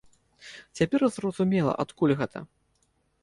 Цяпер зразумела, адкуль гэта!